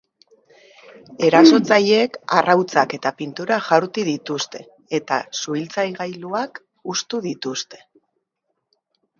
Erasotzaileek arrautzak eta pintura jaurti dituzte, eta su-itzalgailuak hustu dituzte.